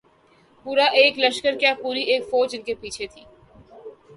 پورا ایک لشکر کیا‘ پوری ایک فوج ان کے پیچھے تھی۔